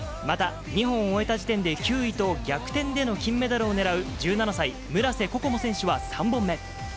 また、２本を終えた時点で、９位と逆転での金メダルを狙う１７歳、村瀬心椛選手は３本目。